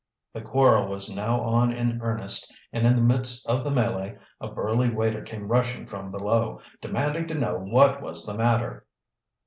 The quarrel was now on in earnest, and in the midst of the melee a burly waiter came rushing from below, demanding to know what was the matter.